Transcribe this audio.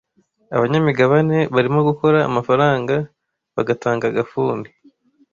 Abanyamigabane barimo gukora amafaranga bagatanga agafuni.